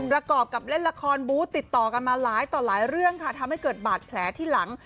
ประกอบกับเล่นละครบูธติดต่อกันมาหลายต่อหลายเรื่องค่ะทำให้เกิดบาดแผลที่หลัง